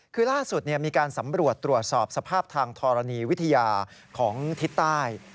คือล่าสุดมีการสำรวจตรวจสอบสภาพทางธรณีวิทยาของทิศใต้